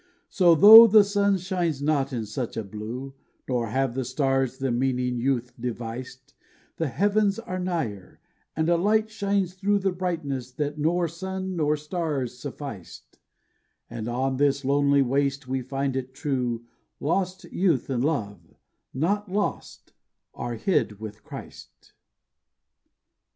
So though the sun shines not in such a blue, Nor have the stars the meaning youth deviced, The heavens are nigher, and a light shines through The brightness that nor sun nor stars sufficed; And on this lonely waste we find it true Lost youth and love, not lost, are hid with Christ.